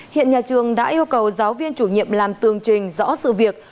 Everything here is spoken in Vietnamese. hiện nhà trường đã yêu cầu giáo viên chủ nhiệm làm tường trình rõ sự việc